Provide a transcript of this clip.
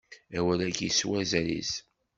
Awal-agi s wazal-is.